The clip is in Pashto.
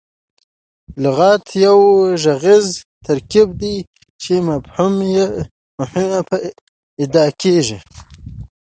لغت یو ږغیز ترکیب دئ، چي مفهوم په اداء کیږي.